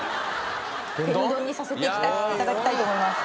させていただきたいと思います。